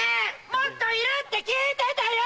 ⁉もっといるって聞いてたよ！